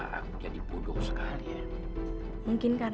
sebenarnya voto itu bukan juara